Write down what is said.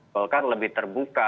volker lebih terbuka